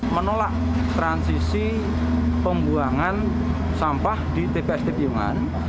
menolak transisi pembuangan sampah di tpst piungan